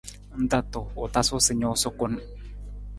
Ng ta tuu, u tasu sa nuusa kun.